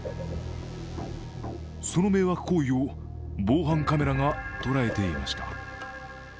その迷惑行為を防犯カメラが捉えていました。